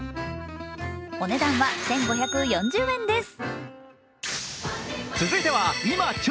お値段は１５４０円です。